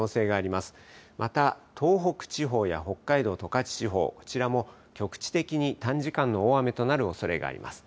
また東北地方や北海道十勝地方、こちらも局地的に短時間の大雨となるおそれがあります。